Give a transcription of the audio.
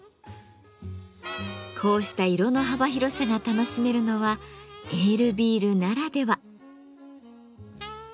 こうした色の幅広さが楽しめるのはエールビールならでは。